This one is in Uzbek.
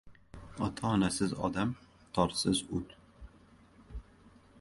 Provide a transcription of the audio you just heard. • Ota-onasiz odam — torsiz ud.